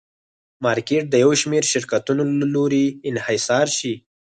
مارکېټ د یو شمېر شرکتونو له لوري انحصار شي.